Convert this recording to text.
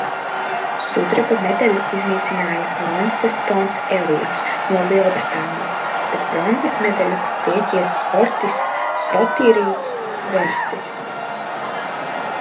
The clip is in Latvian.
Sudraba medaļu izcīnīja Lonsestons Eliots no Lielbritānijas, bet bronzas medaļu Grieķijas sportists Sotirijs Versis.